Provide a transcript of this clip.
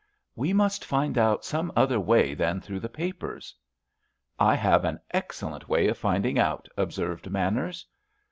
"We must find out some other way than through the papers." "I have an excellent way of finding out," observed Manners.